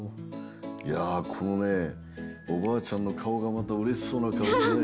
いやこのねおばあちゃんのかおがまたうれしそうなかおでねえ。